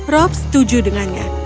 rob setuju dengannya